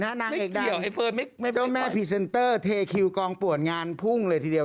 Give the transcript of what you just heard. นางเอกเดี่ยวเจ้าแม่พรีเซนเตอร์เทคิวกองป่วนงานพุ่งเลยทีเดียว